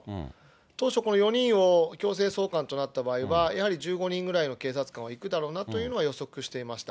当初、この４人を強制送還となった場合は、やはり１５人ぐらいの警察官は行くだろうなというのは予測していました。